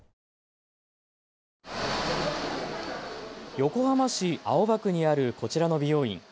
横浜市青葉区にあるこちらの美容院。